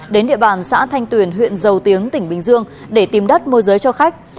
đến địa bàn xã thanh tuyền huyện dầu tiếng tỉnh bình dương để tìm đất môi giới cho khách